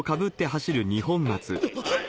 あっ！